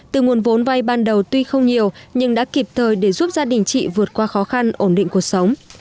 từ nguồn vốn vay ban đầu tuy không nhiều nhưng đã kịp thời để giúp gia đình chị vượt qua khó khăn ổn định cuộc sống